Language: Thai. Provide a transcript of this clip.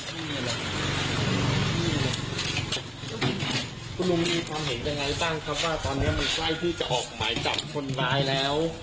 คุณลุงมีความเห็นยังไงบ้างครับว่าตอนนี้มันใกล้ที่จะออกหมายจับคนร้ายแล้ว